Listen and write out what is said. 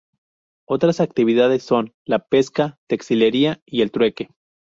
Otras actividades son la pesca, textilería y el trueque.